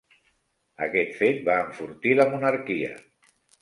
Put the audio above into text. Aquest fet va enfortir la monarquia.